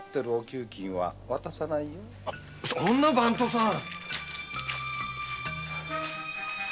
そんな番頭さん！